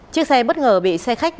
chiếc xe bất ngờ bị xe khách